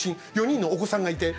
４人のお子さんがいて。